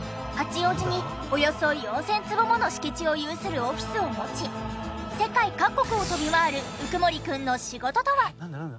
八王子におよそ４０００坪もの敷地を有するオフィスを持ち世界各国を飛び回る鵜久森くんの仕事とは？